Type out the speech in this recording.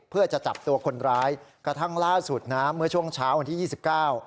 เพื่อจะจับตัวคนร้ายกระทั่งล่าสุดนะเมื่อช่วงเช้าวันที่ยี่สิบเก้า